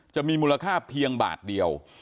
จะมีมูลค่าเพียงบาทเดียว